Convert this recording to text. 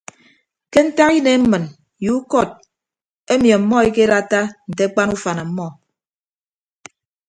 Ke ntak inem mmịn ye ukọt emi ọmmọ ekedatta nte akpan ufan ọmmọ.